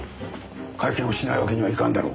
会見をしないわけにはいかんだろ。